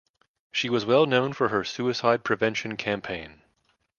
She was known for her suicide prevention campaign.